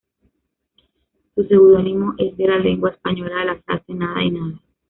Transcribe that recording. Su seudónimo es de la lengua española de la frase "nada y nada".